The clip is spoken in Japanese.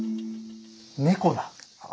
猫だ。